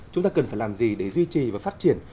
chúng ta cần phải làm gì để duy trì và phát triển